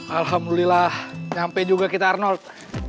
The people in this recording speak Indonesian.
alhamdulillah nyampe juga kita arnold